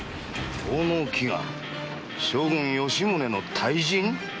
「奉納祈願将軍・吉宗の退陣」